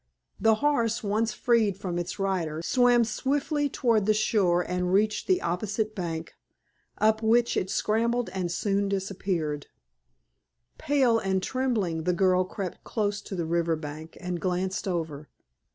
The horse, once freed from its rider, swam swiftly toward the shore and reached the opposite bank, up which it scrambled and soon disappeared. Pale and trembling, the girl crept close to the river bank, and glanced over.